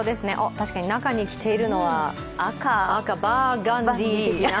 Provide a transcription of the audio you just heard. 確かに中に着ているのは赤、バーガンディ的な。